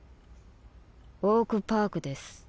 オーク・パークです。